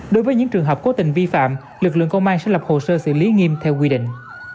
đối với những trường hợp cố tình vi phạm lực lượng công an sẽ lập hồ sơ xử lý nghiêm theo quy định